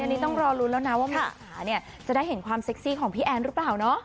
อันนี้ต้องรอลุ้นแล้วนะว่ามีสาเนี่ยจะได้เห็นความเซ็กซี่ของพี่แอนหรือเปล่าเนาะ